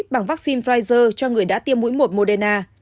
bằng vaccine pfizer cho người đã tiêm mũi một moderna